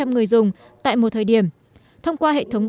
năm trăm linh người dùng tại một thời điểm thông qua hệ thống